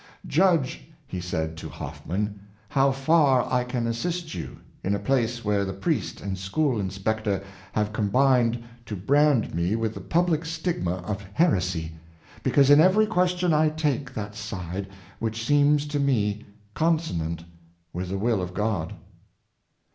"Judge " he said to Hoffinan, "how far I can assist you, in a place where the priest and school inspector have combined to brand me with the public stigma of heresy, because in every question I take that side which seems to me consonant with the will of God."